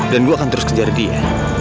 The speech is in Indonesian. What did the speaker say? gue akan terus kejar dia